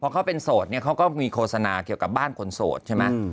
เขาเป็นโสดเนี่ยเขาก็มีโฆษณาเกี่ยวกับบ้านคนโสดใช่ไหม